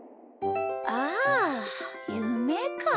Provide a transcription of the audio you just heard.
あゆめか。